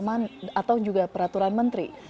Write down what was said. atau juga peraturan menteri